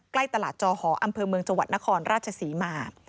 ใกล้ตลาดจอหออำเภอเมืองจังหวัดนครราชศรีมา